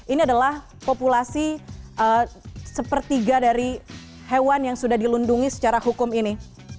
ini adalah populasi sepertiga dari hewan yang sudah dilindungi secara hukum ini